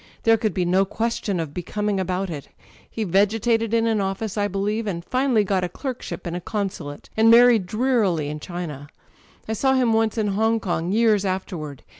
There could be no question of 'becoming' about it. He vc^tated in an office, I believe, and finally got a clerkship in a consu* late, and married drearily in China. I saw him once in Hong Kong, years afterward.